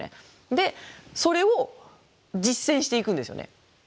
でそれを実践していくんですよね。